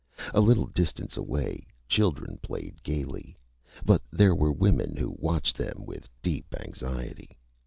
A little distance away, children played gaily. But there were women who watched them with deep anxiety.